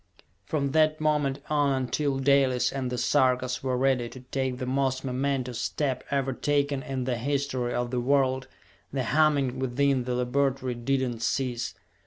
From that moment on until Dalis and the Sarkas were ready to take the most momentous step ever taken in the history of the world, the humming within the laboratory did not cease.